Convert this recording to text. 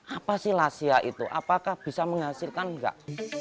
apa sih lasya itu apakah bisa menghasilkan nggak